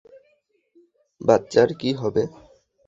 বাচ্চার কি হবে?